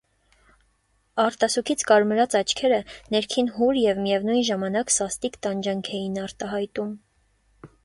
Արտասուքից կարմրած աչքերը ներքին հուր և միևնույն ժամանակ սաստիկ տանջանք էին արտահայտում: